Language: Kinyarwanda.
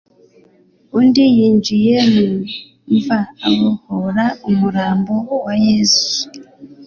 undi yinjiye mu mva abohora umurambo wa Yesu.